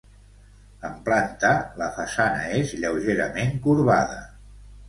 En planta, la façana és lleugerament corbada.